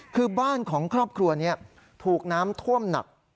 คือบ้านของครอบครัวนี้ถูกน้ำท่วมหนัก